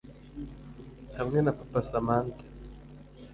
hamwe na papa samantha